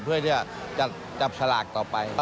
ให้ให้จัดชอบสลากต่อไป